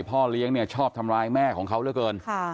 พ่อเลี้ยงเนี่ยชอบทำร้ายแม่ของเขาเหลือเกิน